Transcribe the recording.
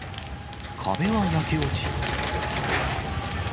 壁は焼け落ち。